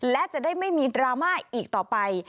และจะได้ไม่มีดราม่าอีกต่อไป